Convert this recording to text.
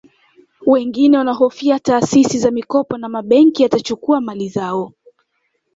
Wengine wanahofia taasisi za mikopo na mabenki yatachukua mali zao